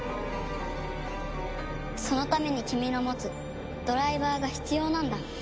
そのために君の持つドライバーが必要なんだ。